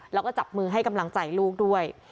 แล้วก็จับมือให้กำลังใจลูกด้วย